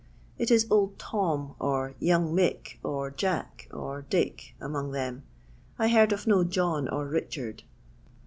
It is Old Tom, or Young Mick, or Jack, or Dick, among them. I heard of no John or Kichard.